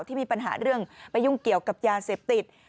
ที่มีปัญหาเรื่องไปยุ่งเกี่ยวกับยาเสพติด